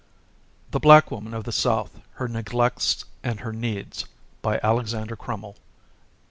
THE BLACK WOMAN OF THE SOUTH: HER NEGLECTS AND HER NEEDS BY ALEXANDER CRUMMELL, D.